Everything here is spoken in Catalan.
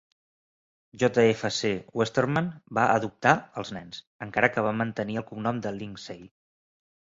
J F C Westerman va "adoptar" els nens, encara que van mantenir el cognom de Lindsaye.